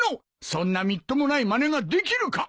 そんなみっともないまねができるか。